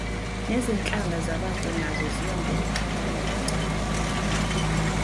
Nezinhlanga zabantu nazo ziya ngokuxubana kangcono.